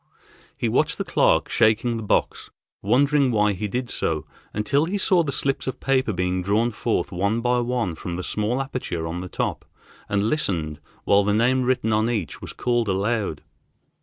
He watched the clerk shaking the box, wondering why he did so, until he saw the slips of paper being drawn forth one by one from the small aperture on the top, and listened while the name written on each was called aloud.